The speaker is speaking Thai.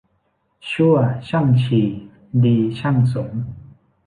ชั่วช่างชี ดีช่างสงฆ์